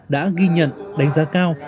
đã ghi nhận đánh giá cao